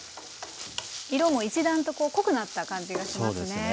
色も一段とこう濃くなった感じがしますね。